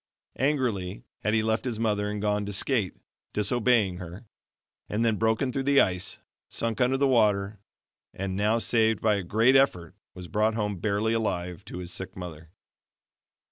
Angrily had he left his mother and gone to skate disobeying her; and then broken through the ice, sunk under the water, and now saved by a great effort, was brought home barely alive to his sick mother.